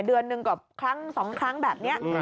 เดือนหนึ่งกว่าครั้งสองครั้งแบบนี้